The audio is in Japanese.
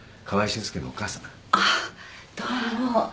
ああどうも。